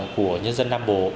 của nhân dân nam bộ